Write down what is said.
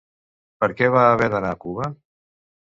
Per què va haver d'anar a Cuba?